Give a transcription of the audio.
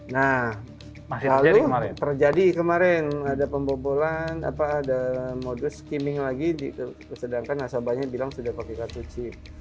nah lalu terjadi kemarin ada pembobolan ada modus skimming lagi sedangkan nasabahnya bilang sudah pakai kartu chip